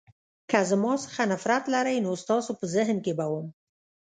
که زما څخه نفرت لرئ نو ستاسو په ذهن کې به وم.